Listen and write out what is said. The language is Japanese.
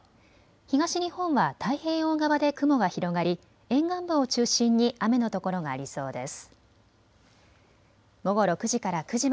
東日本は太平洋側で雲が広がり沿岸部を中心に雨のところがありそうです。